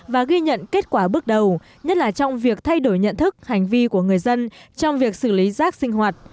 và ghi nhận kết quả bước đầu nhất là trong việc thay đổi nhận thức hành vi của người dân trong việc xử lý rác sinh hoạt